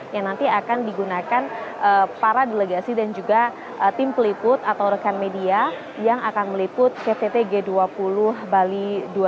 yang nanti akan digunakan para delegasi dan juga tim peliput atau rekan media yang akan meliput ctt g dua puluh bali dua ribu dua puluh